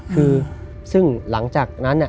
คือซึ่งหลังจากนั้น